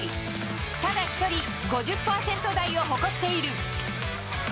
ただ一人５０％台を誇っている。